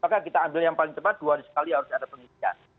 maka kita ambil yang paling cepat dua hari sekali harus ada pengisian